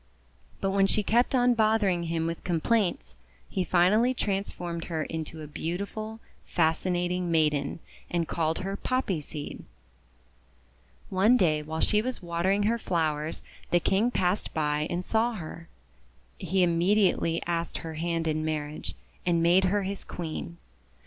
But when she kept on bothering him with complaints, he finally trans formed her into a beautiful, fascinating maiden, and called her Poppy Seed. One day while she was watering her flowers the King passed by and saw her. He immediately asked her hand in marriage, and made her his Queen.